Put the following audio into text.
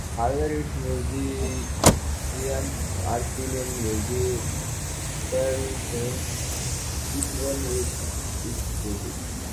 However, its musicians are still in the musician scene, each one with its project.